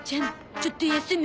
ちょっと休む？